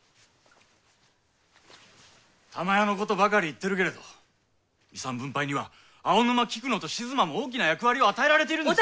珠世のことばかり言ってるけれど遺産分配には青沼菊乃と静馬も大きな役割を与えられているんですよ。